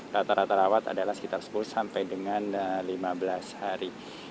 rata rata rawat adalah sekitar sepuluh sampai dengan lima belas hari